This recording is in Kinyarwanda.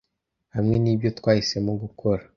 Hamwe nibyo twahisemo gukora